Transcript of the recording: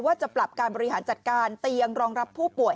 ว่าจะปรับการบริหารจัดการเตียงรองรับผู้ป่วย